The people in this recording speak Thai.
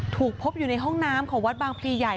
ถูกพบอยู่ในห้องน้ำของวัดบางพลีใหญ่